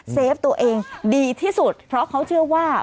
เฟฟตัวเองดีที่สุดเพราะเขาเชื่อว่า